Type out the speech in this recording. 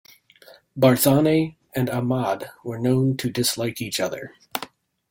Barzani and Ahmad were known to dislike each other.